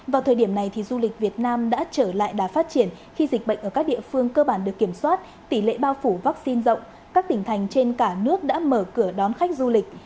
vào thời điểm này du lịch việt nam đã trở lại đà phát triển khi dịch bệnh ở các địa phương cơ bản được kiểm soát tỷ lệ bao phủ vaccine rộng các tỉnh thành trên cả nước đã mở cửa đón khách du lịch